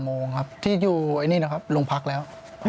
๓โมงครับที่อยู่โรงพักแล้ว